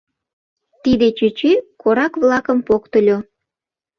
Тиде чӱчӱ корак-влакым поктыльо.